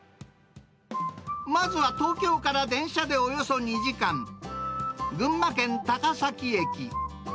まずは東京から電車でおよそ２時間、群馬県高崎駅。